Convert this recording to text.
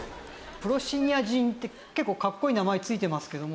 プロシアニジンって結構かっこいい名前付いてますけども。